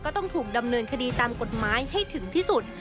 ต้องถูกดำเนินคดีตามกฎหมายให้ถึงที่สุด